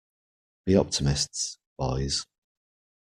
Be optimists, boys.